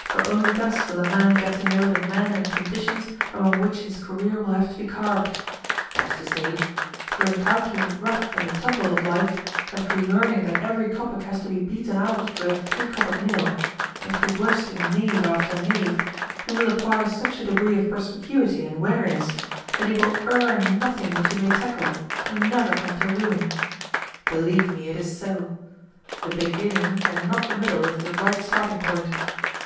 For only thus will a man get to know the men and conditions among which his career will have to be carved. That is to say, through encountering the rough and the tumble of life, and through learning that every kopeck has to be beaten out with a three kopeck nail, and through worsting knave after knave, he will acquire such a degree of perspicuity and wariness that he will err in nothing which he may tackle, and never come to ruin. Believe me, it is so. The beginning, and not the middle, is the right starting point.